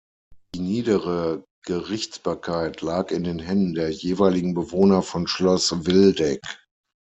Die niedere Gerichtsbarkeit lag in den Händen der jeweiligen Bewohner von Schloss Wildegg.